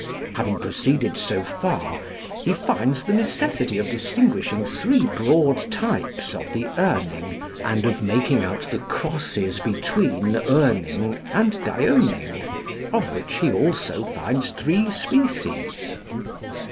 Having proceeded so far, he finds the necessity of distinguishing three broad types of the Urning, and of making out the crosses between Urning and Dioning, of which he also find three species.